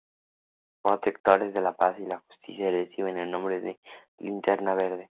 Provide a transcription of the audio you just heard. Protectores de la paz y la justicia, reciben el nombre de Linterna Verde.